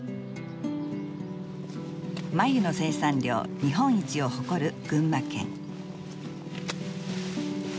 繭の生産量日本一を誇る群馬県。